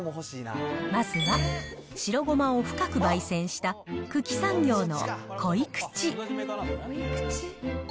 まずは、白ごまを深くばい煎した、九鬼産業のこいくち。